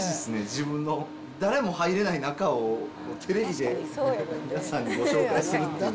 自分の、誰も入れない中をテレビで皆さんにご紹介するっていう。